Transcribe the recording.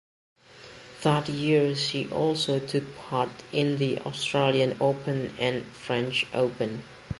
That year she also took part in the Australian Open and French Open.